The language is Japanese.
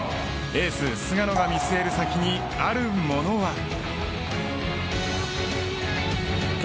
エース菅野が見据える先にあるものは。